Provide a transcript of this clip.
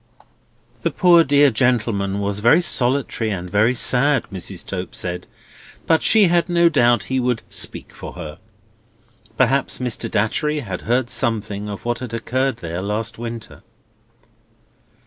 The poor dear gentleman was very solitary and very sad, Mrs. Tope said, but she had no doubt he would "speak for her." Perhaps Mr. Datchery had heard something of what had occurred there last winter?